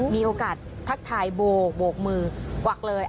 มีโอกาสทักทายโบกมือกวักเลย